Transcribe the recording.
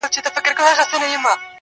وايي نسته كجاوې شا ليلا ورو ورو.!